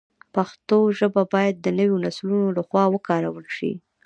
پښتو ژبه باید د نویو نسلونو له خوا وکارول شي.